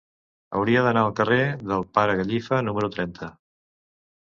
Hauria d'anar al carrer del Pare Gallifa número trenta.